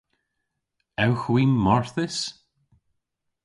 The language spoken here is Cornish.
Ewgh hwi marthys?